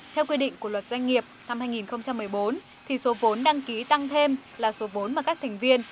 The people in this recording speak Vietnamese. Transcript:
theo quy định của luật doanh nghiệp năm hai nghìn một mươi bốn thì số vốn đăng ký tăng thêm là số vốn mà các thành viên